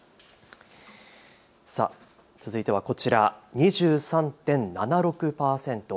続いてはこちら２３．７６％。